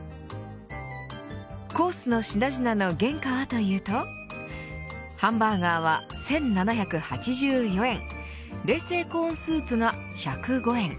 コースの品々の原価はというとハンバーガーは１７８４円冷製コーンスープが１０５円